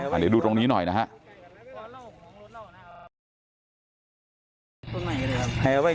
เดี๋ยวดูตรงนี้หน่อยนะฮะ